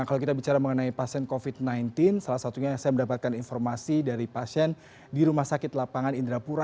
nah kalau kita bicara mengenai pasien covid sembilan belas salah satunya saya mendapatkan informasi dari pasien di rumah sakit lapangan indrapura